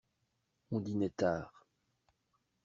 On dînait tard.